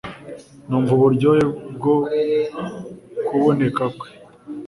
Numva uburyohe bwo kuboneka kwe